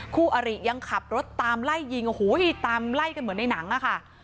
คู่อริยังขับรถตามไล่ยิงโอ้โหตามไล่กันเหมือนในหนังอะค่ะ